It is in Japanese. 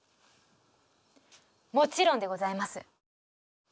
もちろんでございます。